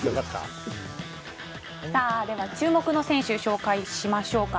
注目の選手紹介しましょうか。